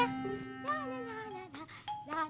aduh aduh aduh emak